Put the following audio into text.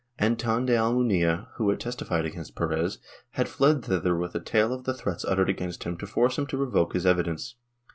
Anton de Almunia, who had testified against Perez, had fled thither with a tale of the threats uttered against him to force him to revoke his evidence.